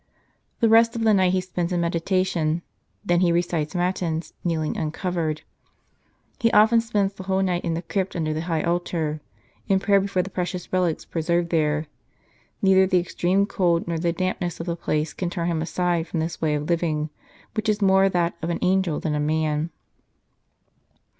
The rest of the night he spends in meditation ; then he recites Matins, kneeling uncovered. He often spends the whole night in the crypt under the high altar, in prayer before the precious relics preserved there. Neither the extreme cold nor the dampness of the place can turn him aside from this way of living, which is more that of an angel than a man.